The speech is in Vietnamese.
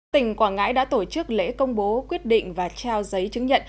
tỉnh quảng ngãi đã tổ chức lễ công bố quyết định và trao giấy chứng nhận